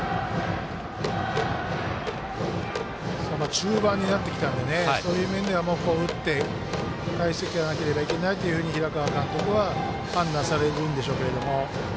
中盤になってきたのでそういう面では打って、かえしていかなければいけないというふうに平川監督は判断されるんでしょうけれども。